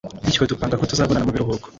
bityo dupanga ko tuzabonana mu biruhuko